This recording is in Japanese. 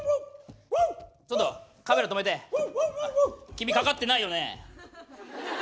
君かかってないよね。